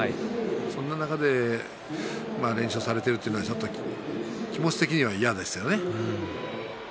そんな中で連勝されているというのは気持ち的には嫌ですよね。